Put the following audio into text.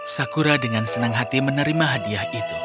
sakura dengan senang hati menerima hadiah itu